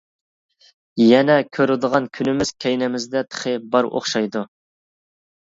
يەنە كۆرىدىغان كۈنىمىز كەينىمىزدە تېخى بار ئوخشايدۇ.